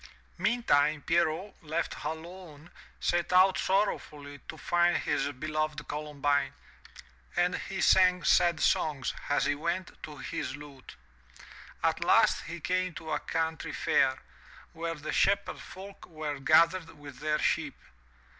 Meantime, Pierrot, left alone, set out sorrowfully to find his beloved Columbine, and he sang sad songs, as he went, to his lute. At last he came to a country fair, where the shepherd folk were gathered with their sheep.